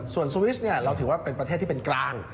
ส่วนสวิสเราถือว่าเป็นประเทศที่เป็นกลาง